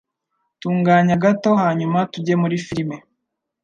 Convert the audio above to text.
Tunganya gato hanyuma tujye muri firime.